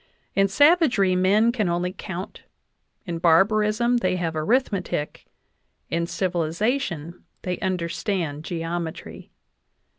In savagery, men can only count ; in barbarism, they have arithmetic ; in civilization, they understand geometry.